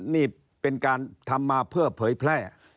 นี่เป็นการทำมาเพื่อเผยแพร่